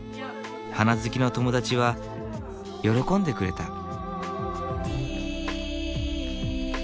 花好きの友達は喜んでくれた。